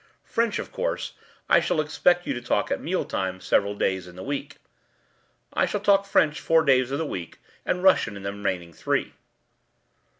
French, of course, I shall expect you to talk at meal times several days in the week.” “I shall talk French four days of the week and Russian in the remaining three.